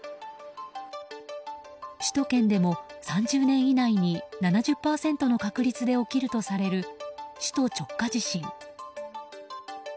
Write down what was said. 首都圏でも３０年以内に７０％の確率で起きるとされる首都直下地震。